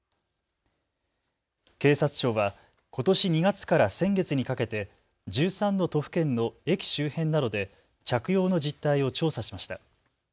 警察庁はことし２月から先月にかけて１３の都府県の駅周辺などで着用の実態を調査しました。